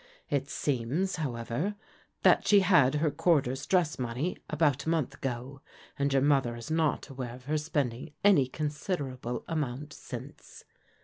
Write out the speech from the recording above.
It seems, however, that she had her quarter's dress money about a month ago, and your mother is not aware of her spending any considerable amount since.